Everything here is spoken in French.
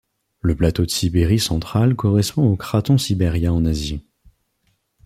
Le plateau de Sibérie centrale correspond au craton Sibéria en Asie.